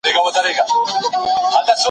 هرځل چې روغ ژوند دود شي، ستونزې نه اوږدېږي.